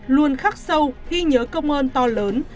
luôn khắc sâu ghi nhớ công ơn to lớn